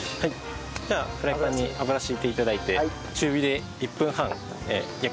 ではフライパンに油引いて頂いて中火で１分半焼きます。